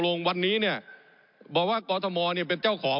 ผมอภิปรายเรื่องการขยายสมภาษณ์รถไฟฟ้าสายสีเขียวนะครับ